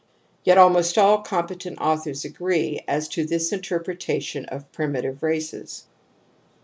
Yet almost all competent authors agree as to this interpretation of primitive races.